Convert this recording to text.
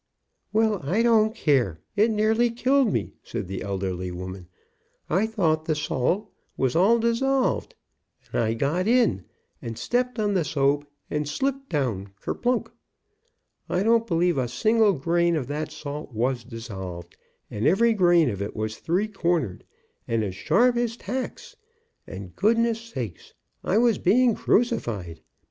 "Well, I don't care, it nearly killed me," said the elderly woman. "I thought the salt was all dissolved, and I got in, and stepped on the soap and slipped down kerplunk. I don't believe a single grain of that salt was dissolved, and every grain of it was three cornered, and as sharp as tacks, and goodness sakes, I was being crucified.